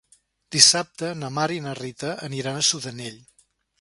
Dissabte na Mar i na Rita aniran a Sudanell.